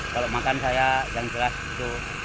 kalau makan saya jangan jelas gitu